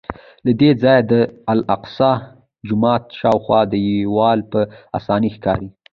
له دې ځایه د الاقصی جومات شاوخوا دیوال په اسانۍ ښکاري.